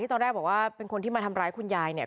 ตอนแรกบอกว่าเป็นคนที่มาทำร้ายคุณยายเนี่ย